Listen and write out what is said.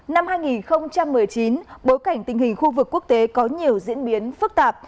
năm hai nghìn một mươi chín bối cảnh tình hình khu vực quốc tế có nhiều diễn biến phức tạp